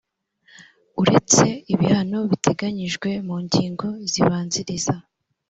uretse ibihano biteganyijwe mu ngingo zibanziriza